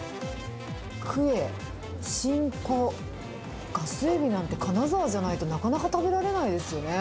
クエ、シンコ、ガスエビなんて金沢じゃないとなかなか食べられないですよね。